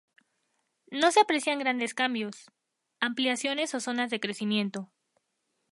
No se aprecian grandes cambios, ampliaciones o zonas de crecimiento.